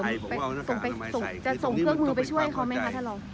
จะส่งเครื่องมือไปช่วยเขาไหมคะถ้าเรา